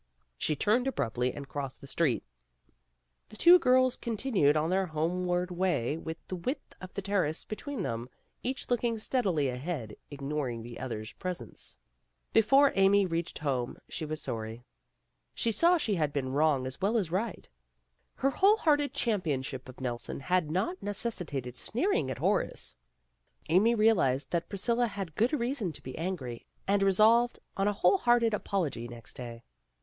She turned abruptly and crossed the street. The two girls continued on their homeward way with the width of the Terrace between them, each looking steadily ahead, ignoring the other's presence. Before Amy reached home she was sorry. PRISCILLA HAS A SECRET 91 She saw she had been wrong as well as right. Her whole hearted championship of Nelson had not necessitated sneering at Horace. Amy realized that Priscilla had good reason to be angry, and resolved on a whole hearted apology next day.